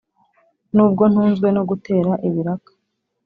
Nubwo ntunzwe no gutera ibiraka